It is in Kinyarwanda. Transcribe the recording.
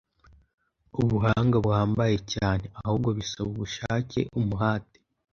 ubuhanga buhambaye cyane. Ahubwo bisaba ubushake, umuhate